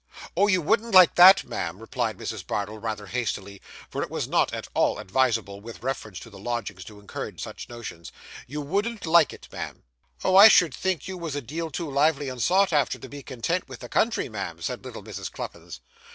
'Oh, you wouldn't like that, ma'am,' replied Mrs. Bardell, rather hastily; for it was not at all advisable, with reference to the lodgings, to encourage such notions; 'you wouldn't like it, ma'am.' 'Oh! I should think you was a deal too lively and sought after, to be content with the country, ma'am,' said little Mrs. Cluppins.